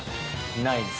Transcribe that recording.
ないです。